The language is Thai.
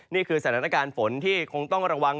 นี่คือสถานการณ์ฝนที่คงต้องระวัง